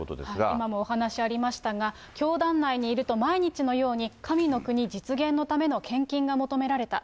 今もお話ありましたが、教団内にいると、毎日のように神の国実現のための献金が求められた。